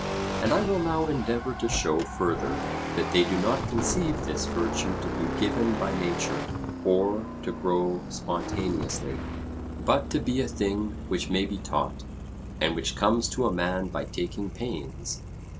And I will now endeavour to show further that they do not conceive this virtue to be given by nature, or to grow spontaneously, but to be a thing which may be taught; and which comes to a man by taking pains.